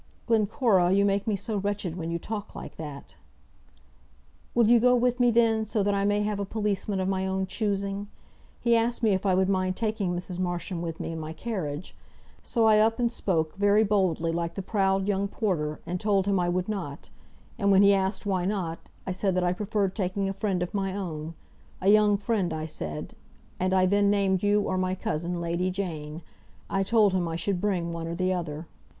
"Glencora, you make me so wretched when you talk like that." "Will you go with me, then, so that I may have a policeman of my own choosing? He asked me if I would mind taking Mrs. Marsham with me in my carriage. So I up and spoke, very boldly, like the proud young porter, and told him I would not; and when he asked why not, I said that I preferred taking a friend of my own, a young friend, I said, and I then named you or my cousin, Lady Jane. I told him I should bring one or the other."